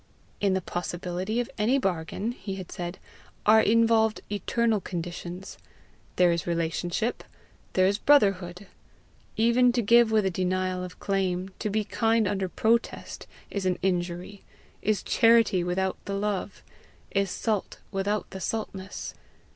"In the possibility of any bargain," he had said, "are involved eternal conditions: there is relationship there is brotherhood. Even to give with a denial of claim, to be kind under protest, is an injury, is charity without the love, is salt without the saltness.